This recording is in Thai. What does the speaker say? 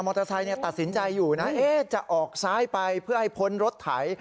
เตอร์ไซค์ตัดสินใจอยู่นะจะออกซ้ายไปเพื่อให้พ้นรถไถ